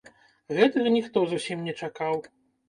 Гэтага ніхто зусім не чакаў.